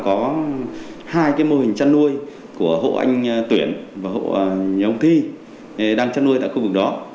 có hai cái mô hình trăn nuôi của hộ anh tuyển và hộ nhà ông thi đang trăn nuôi tại khu vực đó